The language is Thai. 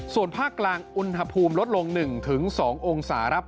ส่วนภาคกลางอุณหภูมิลดลง๑๒องศาครับ